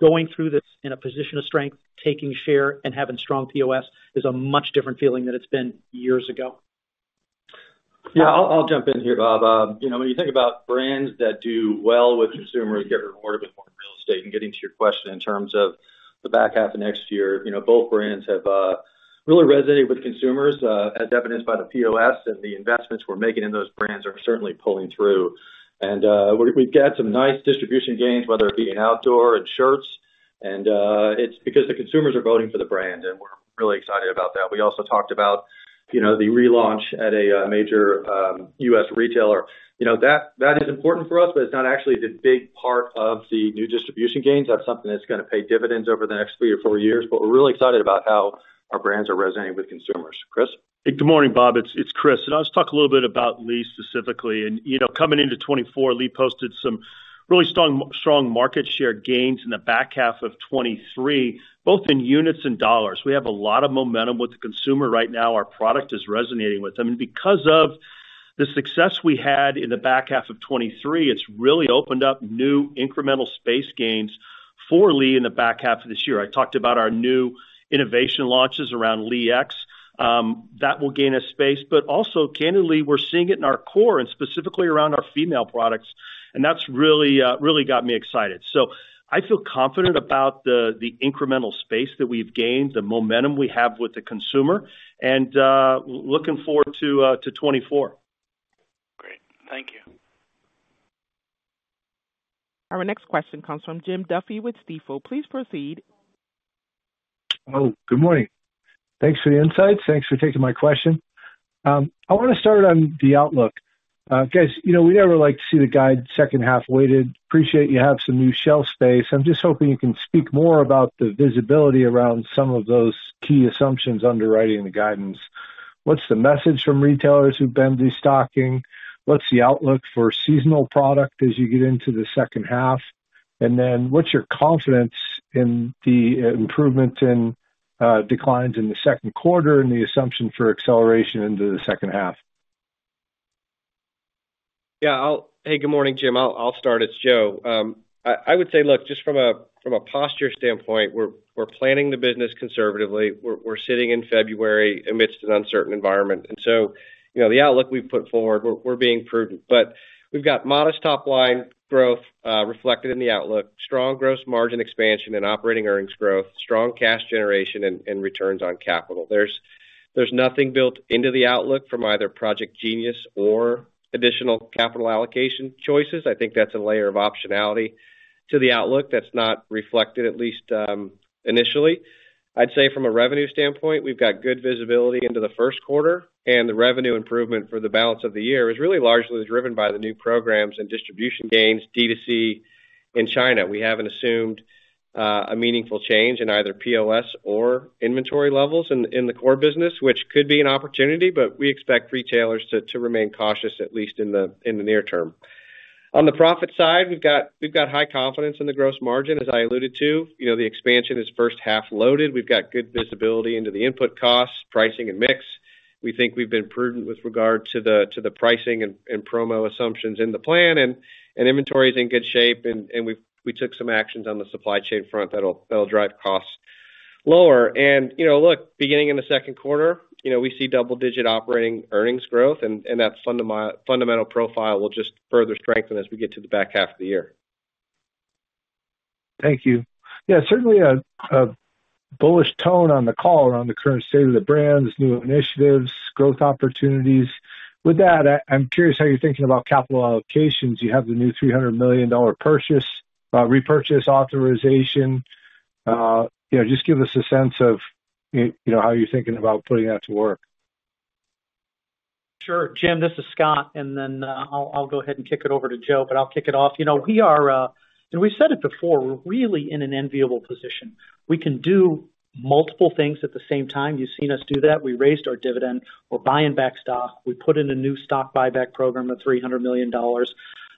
going through this in a position of strength, taking share and having strong POS is a much different feeling than it's been years ago. Yeah, I'll, I'll jump in here, Bob. You know, when you think about brands that do well with consumers, get rewarded with more real estate, and getting to your question in terms of the back half of next year, you know, both brands have really resonated with consumers as evidenced by the POS and the investments we're making in those brands are certainly pulling through. And we've got some nice distribution gains, whether it be in outdoor and shirts, and it's because the consumers are voting for the brand, and we're really excited about that. We also talked about, you know, the relaunch at a major U.S. retailer. You know, that, that is important for us, but it's not actually the big part of the new distribution gains. That's something that's gonna pay dividends over the next three or four years, but we're really excited about how our brands are resonating with consumers. Chris? Good morning, Bob. It's Chris. I'll just talk a little bit about Lee specifically. And, you know, coming into 2024, Lee posted some really strong, strong market share gains in the back half of 2023, both in units and dollars. We have a lot of momentum with the consumer right now. Our product is resonating with them. And because of the success we had in the back half of 2023, it's really opened up new incremental space gains for Lee in the back half of this year. I talked about our new innovation launches around Lee X. That will gain us space, but also, candidly, we're seeing it in our core and specifically around our female products, and that's really, really got me excited. So I feel confident about the incremental space that we've gained, the momentum we have with the consumer, and looking forward to 2024. Great. Thank you. Our next question comes from Jim Duffy with Stifel. Please proceed. Hello, good morning. Thanks for the insights. Thanks for taking my question. I wanna start on the outlook. Guys, you know we never like to see the guide second half weighted. Appreciate you have some new shelf space. I'm just hoping you can speak more about the visibility around some of those key assumptions underwriting the guidance. What's the message from retailers who've been destocking? What's the outlook for seasonal product as you get into the second half? And then, what's your confidence in the improvement in declines in the second quarter and the assumption for acceleration into the second half? Yeah, hey, good morning, Jim. I'll start. It's Joe. I would say, look, just from a posture standpoint, we're planning the business conservatively. We're sitting in February amidst an uncertain environment, and so, you know, the outlook we've put forward, we're being prudent. But we've got modest top-line growth reflected in the outlook, strong gross margin expansion and operating earnings growth, strong cash generation and returns on capital. There's nothing built into the outlook from either Project Jeanius or additional capital allocation choices. I think that's a layer of optionality to the outlook that's not reflected, at least initially. I'd say from a revenue standpoint, we've got good visibility into the first quarter, and the revenue improvement for the balance of the year is really largely driven by the new programs and distribution gains, D2C in China. We haven't assumed a meaningful change in either POS or inventory levels in the core business, which could be an opportunity, but we expect retailers to remain cautious, at least in the near term. On the profit side, we've got high confidence in the gross margin, as I alluded to. You know, the expansion is first half loaded. We've got good visibility into the input costs, pricing, and mix. We think we've been prudent with regard to the pricing and promo assumptions in the plan, and inventory is in good shape, and we took some actions on the supply chain front that'll drive costs lower. You know, look, beginning in the second quarter, you know, we see double-digit operating earnings growth, and that fundamental profile will just further strengthen as we get to the back half of the year. Thank you. Yeah, certainly a bullish tone on the call around the current state of the brands, new initiatives, growth opportunities. With that, I'm curious how you're thinking about capital allocations. You have the new $300 million purchase repurchase authorization. You know, just give us a sense of, you know, how you're thinking about putting that to work. Sure. Jim, this is Scott, and then, I'll, I'll go ahead and kick it over to Joe, but I'll kick it off. You know, we are... and we've said it before, we're really in an enviable position. We can do multiple things at the same time. You've seen us do that. We raised our dividend. We're buying back stock. We put in a new stock buyback program of $300 million.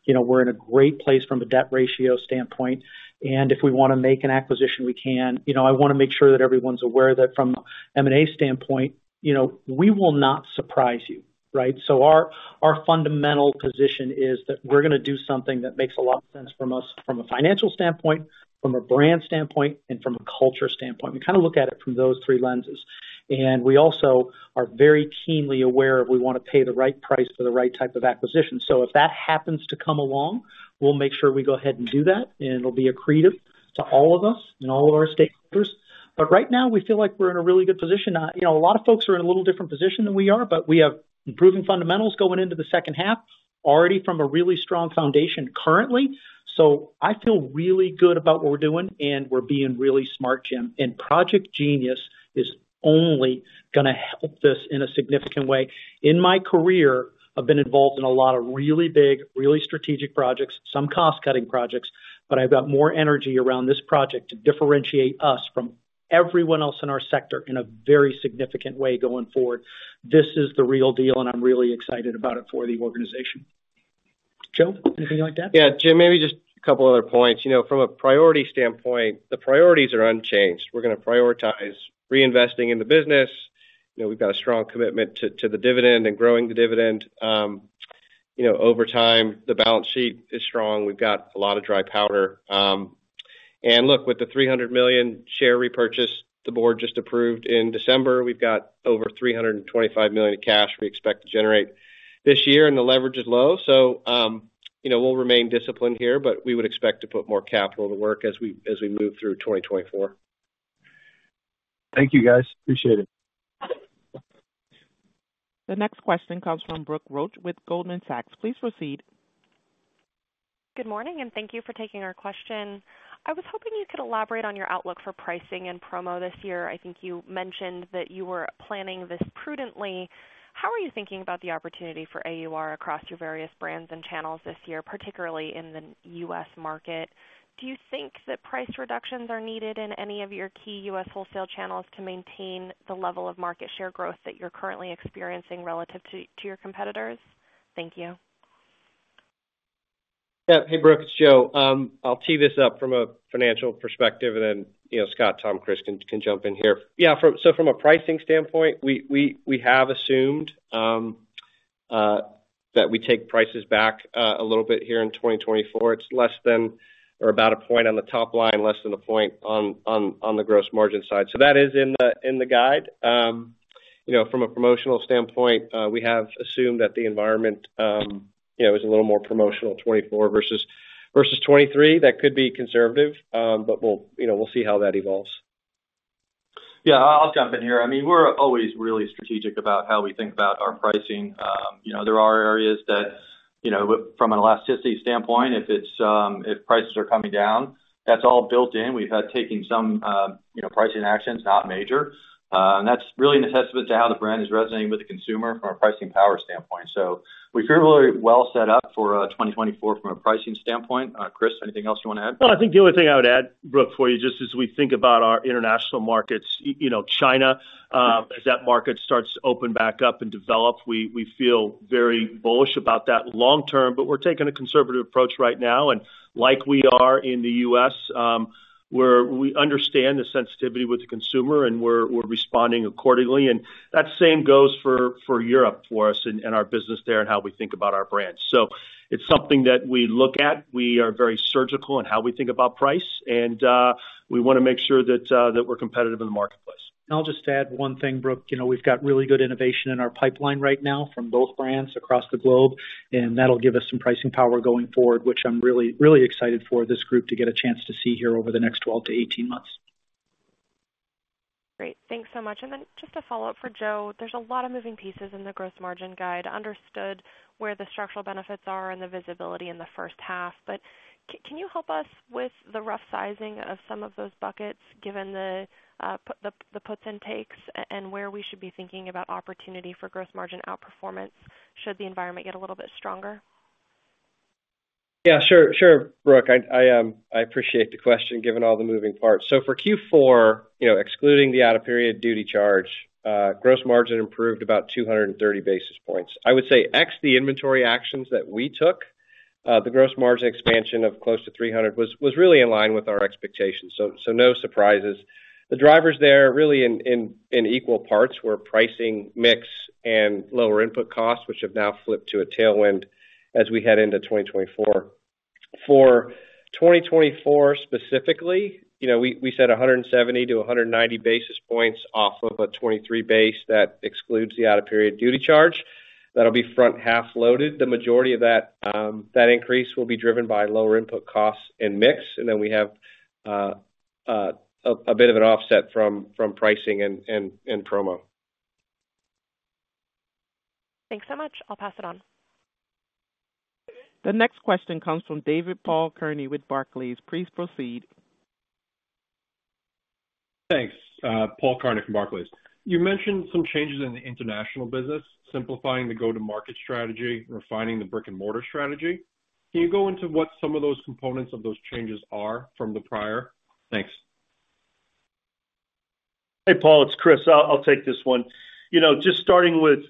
You know, we're in a great place from a debt ratio standpoint, and if we wanna make an acquisition, we can. You know, I wanna make sure that everyone's aware that from an M&A standpoint, you know, we will not surprise you, right? So our, our fundamental position is that we're gonna do something that makes a lot of sense for us from a financial standpoint, from a brand standpoint, and from a culture standpoint. We kinda look at it from those three lenses. We also are very keenly aware of we wanna pay the right price for the right type of acquisition. So if that happens to come along, we'll make sure we go ahead and do that, and it'll be accretive to all of us and all of our stakeholders. But right now, we feel like we're in a really good position. You know, a lot of folks are in a little different position than we are, but we have improving fundamentals going into the second half, already from a really strong foundation currently. So I feel really good about what we're doing, and we're being really smart, Jim. Project Jeanius is only gonna help us in a significant way. In my career, I've been involved in a lot of really big, really strategic projects, some cost-cutting projects, but I've got more energy around this project to differentiate us from everyone else in our sector in a very significant way going forward. This is the real deal, and I'm really excited about it for the organization. Joe, anything like that? Yeah, Jim, maybe just a couple other points. You know, from a priority standpoint, the priorities are unchanged. We're gonna prioritize reinvesting in the business. You know, we've got a strong commitment to, to the dividend and growing the dividend. You know, over time, the balance sheet is strong. We've got a lot of dry powder. And look, with the $300 million share repurchase the board just approved in December, we've got over $325 million of cash we expect to generate this year, and the leverage is low. So, you know, we'll remain disciplined here, but we would expect to put more capital to work as we, as we move through 2024. Thank you, guys. Appreciate it. The next question comes from Brooke Roach with Goldman Sachs. Please proceed. Good morning, and thank you for taking our question. I was hoping you could elaborate on your outlook for pricing and promo this year. I think you mentioned that you were planning this prudently. How are you thinking about the opportunity for AUR across your various brands and channels this year, particularly in the U.S. market? Do you think that price reductions are needed in any of your key U.S. wholesale channels to maintain the level of market share growth that you're currently experiencing relative to your competitors? Thank you. Yeah. Hey, Brooke, it's Joe. I'll tee this up from a financial perspective, and then, you know, Scott, Tom, Chris can jump in here. Yeah, from a pricing standpoint, we have assumed that we take prices back a little bit here in 2024. It's less than or about 1 point on the top line, less than 1 point on the gross margin side. So that is in the guide. You know, from a promotional standpoint, we have assumed that the environment, you know, is a little more promotional, 2024 versus 2023. That could be conservative, but we'll, you know, we'll see how that evolves. Yeah, I'll jump in here. I mean, we're always really strategic about how we think about our pricing. You know, there are areas that, you know, from an elasticity standpoint, if it's, if prices are coming down, that's all built in. We've had taken some, you know, pricing actions, not major, and that's really testament to how the brand is resonating with the consumer from a pricing power standpoint. So we feel really well set up for 2024 from a pricing standpoint. Chris, anything else you wanna add? Well, I think the only thing I would add, Brooke, for you, just as we think about our international markets, you know, China, as that market starts to open back up and develop, we feel very bullish about that long term, but we're taking a conservative approach right now. And like we are in the U.S., we're we understand the sensitivity with the consumer, and we're responding accordingly. And that same goes for Europe, for us and our business there and how we think about our brands. So it's something that we look at. We are very surgical in how we think about price, and we wanna make sure that we're competitive in the marketplace. I'll just add one thing, Brooke. You know, we've got really good innovation in our pipeline right now from both brands across the globe, and that'll give us some pricing power going forward, which I'm really, really excited for this group to get a chance to see here over the next 12-18 months. Great. Thanks so much. And then just a follow-up for Joe: There's a lot of moving pieces in the gross margin guide. Understood where the structural benefits are and the visibility in the first half, but can you help us with the rough sizing of some of those buckets, given the the puts and takes, and where we should be thinking about opportunity for gross margin outperformance, should the environment get a little bit stronger? Yeah, sure, sure, Brooke. I appreciate the question, given all the moving parts. So for Q4, you know, excluding the out-of-period duty charge, gross margin improved about 230 basis points. I would say ex the inventory actions that we took- The gross margin expansion of close to 300 was really in line with our expectations, so no surprises. The drivers there, really in equal parts, were pricing, mix, and lower input costs, which have now flipped to a tailwind as we head into 2024. For 2024, specifically, you know, we said 170-190 basis points off of a 2023 base. That excludes the out-of-period duty charge. That'll be front half loaded. The majority of that, that increase will be driven by lower input costs and mix, and then we have a bit of an offset from pricing and promo. Thanks so much. I'll pass it on. The next question comes from Paul Kearney with Barclays. Please proceed. Thanks. Paul Kearney from Barclays. You mentioned some changes in the international business, simplifying the go-to-market strategy, refining the brick-and-mortar strategy. Can you go into what some of those components of those changes are from the prior? Thanks. Hey, Paul, it's Chris. I'll take this one. You know, just starting with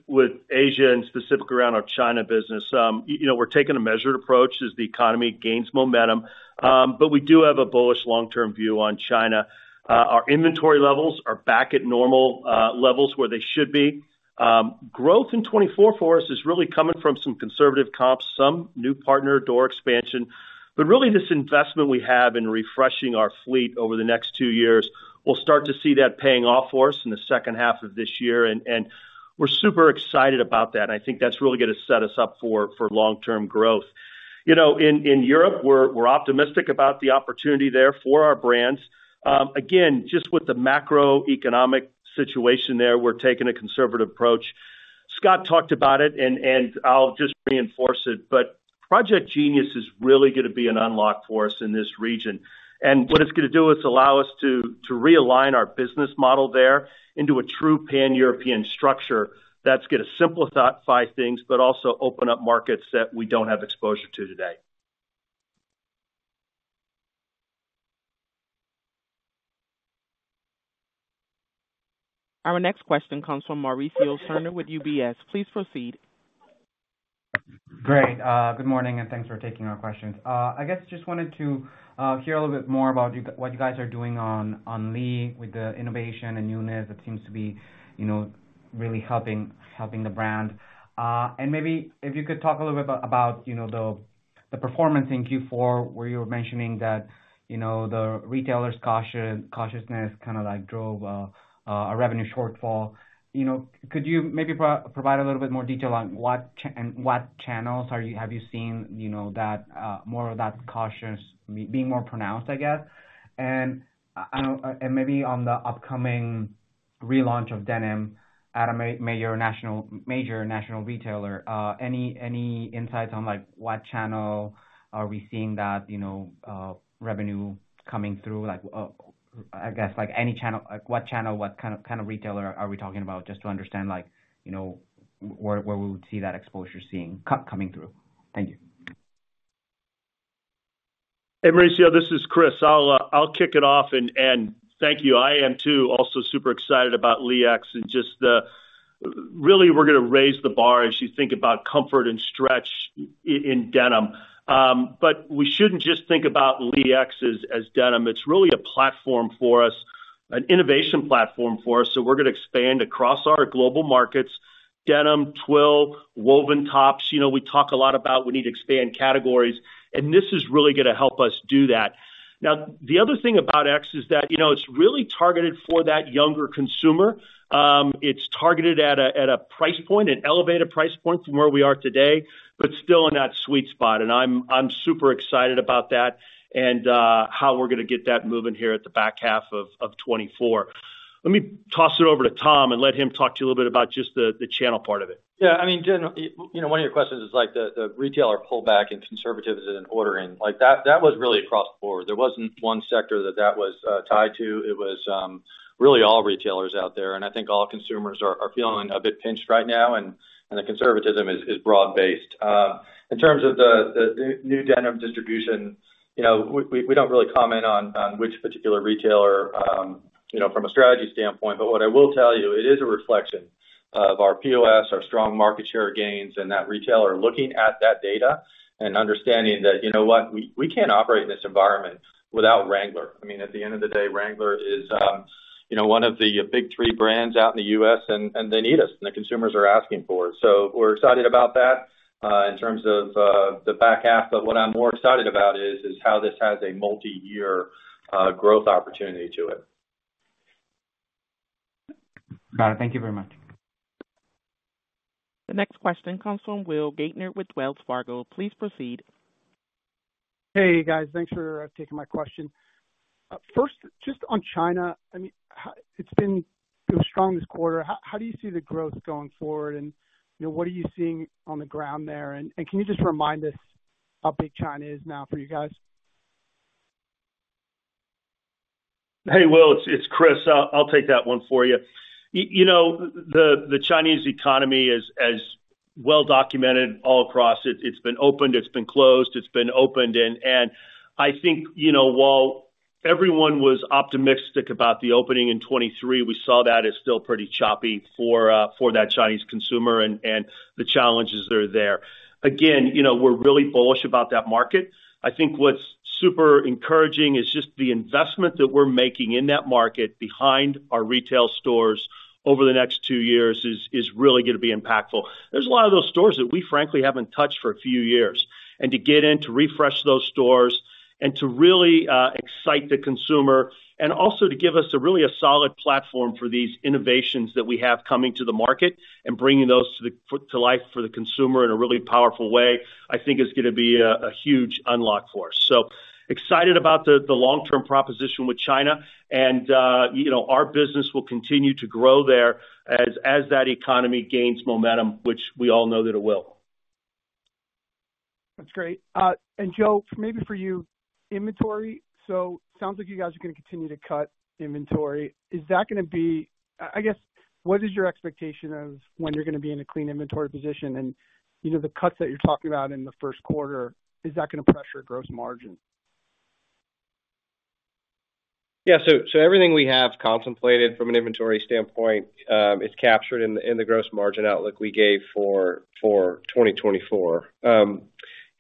Asia and specifically around our China business. You know, we're taking a measured approach as the economy gains momentum, but we do have a bullish long-term view on China. Our inventory levels are back at normal levels where they should be. Growth in 2024 for us is really coming from some conservative comps, some new partner door expansion. But really, this investment we have in refreshing our fleet over the next two years, we'll start to see that paying off for us in the second half of this year, and we're super excited about that. I think that's really gonna set us up for long-term growth. You know, in Europe, we're optimistic about the opportunity there for our brands. Again, just with the macroeconomic situation there, we're taking a conservative approach. Scott talked about it and I'll just reinforce it, but Project Jeanius is really gonna be an unlock for us in this region. And what it's gonna do is allow us to realign our business model there into a true pan-European structure that's gonna simplify things, but also open up markets that we don't have exposure to today. Our next question comes from Mauricio Serna with UBS. Please proceed. Great. Good morning, and thanks for taking our questions. I guess just wanted to hear a little bit more about you, what you guys are doing on Lee with the innovation and newness. It seems to be, you know, really helping the brand. And maybe if you could talk a little bit about, you know, the performance in Q4, where you were mentioning that, you know, the retailers' cautiousness kind of, like, drove a revenue shortfall. You know, could you maybe provide a little bit more detail on what channels have you seen, you know, that more of that cautiousness being more pronounced, I guess? Maybe on the upcoming relaunch of denim at a major national retailer, any insights on, like, what channel are we seeing that, you know, revenue coming through? Like, I guess, like, any channel. Like, what channel, what kind of retailer are we talking about, just to understand, like, you know, where we would see that exposure coming through? Thank you. Hey, Mauricio, this is Chris. I'll, I'll kick it off, and, and thank you. I am too, also super excited about Lee X and just, really, we're gonna raise the bar as you think about comfort and stretch in denim. But we shouldn't just think about Lee X as, as denim. It's really a platform for us, an innovation platform for us, so we're gonna expand across our global markets, denim, twill, woven tops. You know, we talk a lot about we need to expand categories, and this is really gonna help us do that. Now, the other thing about X is that, you know, it's really targeted for that younger consumer. It's targeted at a, at a price point, an elevated price point from where we are today, but still in that sweet spot. And I'm super excited about that and how we're gonna get that moving here at the back half of 2024. Let me toss it over to Tom and let him talk to you a little bit about just the channel part of it. Yeah, I mean, generally, you know, one of your questions is like the retailer pullback and conservatism in ordering. Like, that was really across the board. There wasn't one sector that was tied to. It was really all retailers out there, and I think all consumers are feeling a bit pinched right now, and the conservatism is broad-based. In terms of the new denim distribution, you know, we don't really comment on which particular retailer, you know, from a strategy standpoint, but what I will tell you, it is a reflection of our POS, our strong market share gains, and that retailer looking at that data and understanding that, "You know what? We can't operate in this environment without Wrangler." I mean, at the end of the day, Wrangler is, you know, one of the big three brands out in the U.S., and, and they need us, and the consumers are asking for it. So we're excited about that, in terms of the back half, but what I'm more excited about is how this has a multiyear growth opportunity to it. Got it. Thank you very much. The next question comes from Will Gaertner with Wells Fargo. Please proceed. Hey, guys. Thanks for taking my question. First, just on China, I mean, how... It's been the strongest quarter. How do you see the growth going forward, and, you know, what are you seeing on the ground there? And can you just remind us how big China is now for you guys? Hey, Will, it's Chris. I'll take that one for you. You know, the Chinese economy is as well-documented all across. It's been opened, it's been closed, it's been opened, and I think, you know, while everyone was optimistic about the opening in 2023. We saw that as still pretty choppy for that Chinese consumer and the challenges that are there. Again, you know, we're really bullish about that market. I think what's super encouraging is just the investment that we're making in that market behind our retail stores over the next two years is really gonna be impactful. There's a lot of those stores that we frankly haven't touched for a few years. And to get in, to refresh those stores and to really excite the consumer and also to give us a really solid platform for these innovations that we have coming to the market and bringing those to life for the consumer in a really powerful way, I think is gonna be a huge unlock for us. So excited about the long-term proposition with China and, you know, our business will continue to grow there as that economy gains momentum, which we all know that it will. That's great. And Joe, maybe for you, inventory. So sounds like you guys are gonna continue to cut inventory. Is that gonna be... I, I guess, what is your expectation of when you're gonna be in a clean inventory position? And, you know, the cuts that you're talking about in the first quarter, is that gonna pressure gross margin? Yeah, so, so everything we have contemplated from an inventory standpoint is captured in the gross margin outlook we gave for 2024.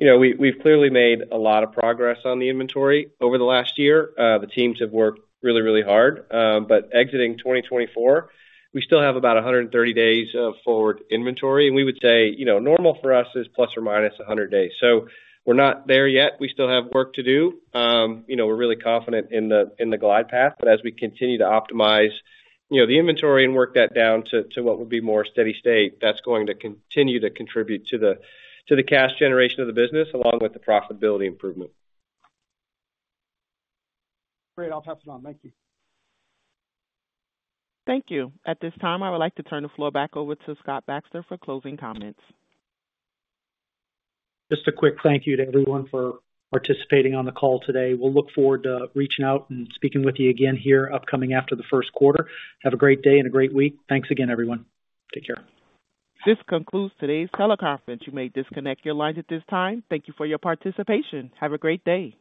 You know, we, we've clearly made a lot of progress on the inventory over the last year. The teams have worked really, really hard. But exiting 2024, we still have about 130 days of forward inventory, and we would say, you know, normal for us is plus or minus 100 days. So we're not there yet. We still have work to do. You know, we're really confident in the glide path, but as we continue to optimize the inventory and work that down to what would be more steady state, that's going to continue to contribute to the cash generation of the business, along with the profitability improvement. Great. I'll pass it on. Thank you. Thank you. At this time, I would like to turn the floor back over to Scott Baxter for closing comments. Just a quick thank you to everyone for participating on the call today. We'll look forward to reaching out and speaking with you again here, upcoming after the first quarter. Have a great day and a great week. Thanks again, everyone. Take care. This concludes today's teleconference. You may disconnect your lines at this time. Thank you for your participation. Have a great day!